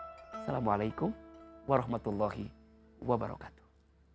assalamualaikum warahmatullahi wabarakatuh